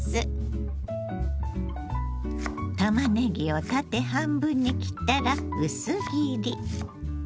たまねぎを縦半分に切ったら薄切り。